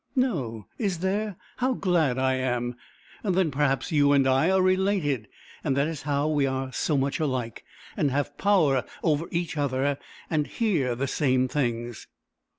"No! Is there? How glad I am! Then perhaps you and I are related, and that is how we are so much alike, and have power over each other, and hear the same things."